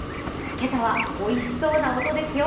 今朝はおいしそうな音ですよ。